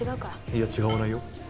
いや違わないよ。